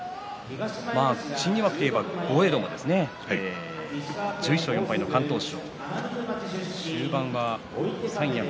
新入幕といえば豪栄道は１１勝４敗の敢闘賞。